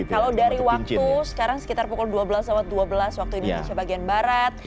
kalau dari waktu sekarang sekitar pukul dua belas dua belas waktu indonesia bagian barat